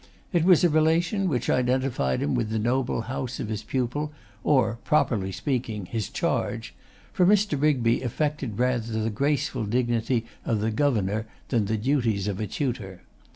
It was a relation which identified him with the noble house of his pupil, or, properly speaking, his charge: for Mr. Rigby affected rather the graceful dignity of the governor than the duties of a tutor.